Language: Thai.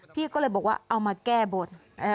พี่ก็เลยบอกว่าเอามาแก้บน